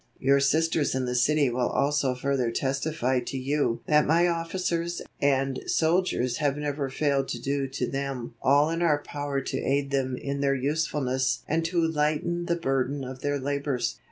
"Your Sisters in the city will also further testify to you that my officers and soldiers have never failed to do to them all in our power to aid them in their usefulness and to lighten the burden of their labors.